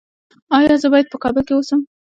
ایا زه باید په کابل کې اوسم؟